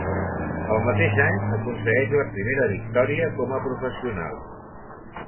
El mateix any aconsegueix la primera victòria com a professional.